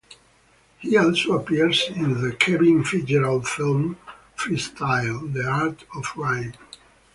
He also appears in the Kevin Fitzgerald film "Freestyle: The Art of Rhyme".